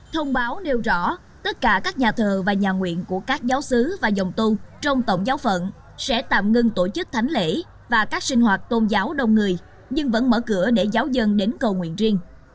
thông báo nêu rõ tất cả các nhà thờ và nhà nguyện của các giáo sứ và dòng tu trong tổng giáo phận sẽ tạm ngưng tổ chức thánh lễ và các sinh hoạt tôn giáo đông người nhưng vẫn mở cửa để giáo dân đến cầu nguyện riêng